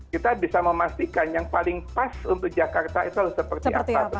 kita bisa memastikan yang paling pas untuk jakarta itu seperti apa